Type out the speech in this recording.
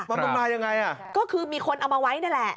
มันต้องมายังไงอ่ะก็คือมีคนเอามาไว้นั่นแหละ